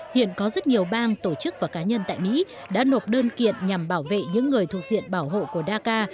hiện có rất nhiều bang tổ chức và cá nhân tại mỹ đã nộp đơn kiện nhằm bảo vệ những người thuộc diện bảo hộ của dak